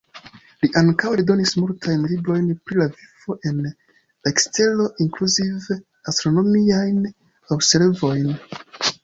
Li ankaŭ eldonis multajn librojn pri la vivo en ekstero, inkluzive astronomiajn observojn.